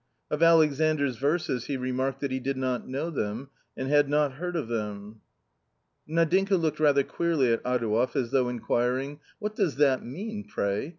Of Alexandra verses he remarked that he did not know them, and had not heard of them. Nadinka looked rather queerly at Adouev as though inquiring :" What does that mean, pray